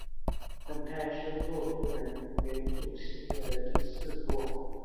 本代是洛克人元祖系列的第四作。